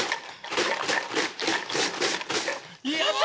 やった！